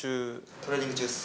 トレーニング中です。